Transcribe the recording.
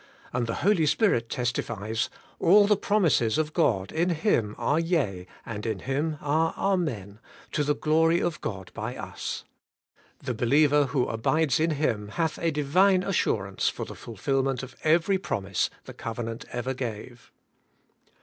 And the Holy Spirit testifies, *A11 the promises of God i^ Him are yea, and in Him are Amen, to the glory of God by us.' The believer who abides in Him hath a Divine as surance for the fulfilment of every promise the covenant ever gave.